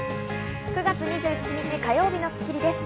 ９月２７日、火曜日の『スッキリ』です。